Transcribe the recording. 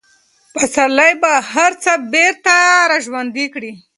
پسرلی به هر څه بېرته راژوندي کړي.